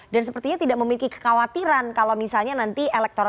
dan sepertinya tidak memiliki kekhawatiran kalau misalnya nanti elektroniknya